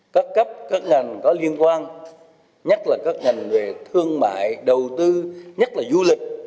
các cấp các ngành có liên quan nhất là các ngành về thương mại đầu tư nhất là du lịch